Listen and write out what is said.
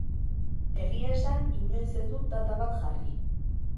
Egia esan inoiz ez dut data bat jarri.